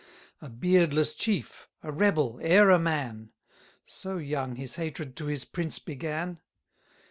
A beardless chief, a rebel, e'er a man: So young his hatred to his prince began.